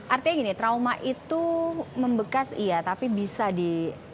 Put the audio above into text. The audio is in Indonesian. artinya gini trauma itu membekas iya tapi bisa di